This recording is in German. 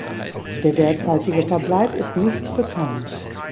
Der derzeitige Verbleib ist nicht bekannt.